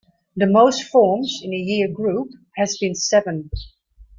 The most forms in a year group has been seven.